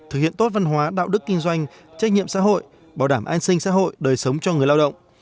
thực hiện tốt văn hóa đạo đức kinh doanh trách nhiệm xã hội bảo đảm an sinh xã hội đời sống cho người lao động